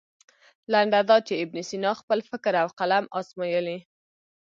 لنډه دا چې ابن سینا خپل فکر او قلم ازمویلی.